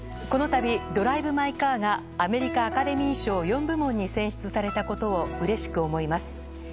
このたびドライブ・マイ・カーが、アメリカアカデミー賞４部門に選出されたことを、うれしく思います。